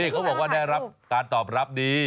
เขาบอกว่าได้รับการตอบรับดี